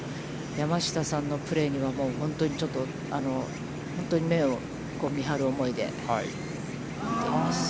山下さんのプレーには、本当にちょっと、目をみはる思いでみています。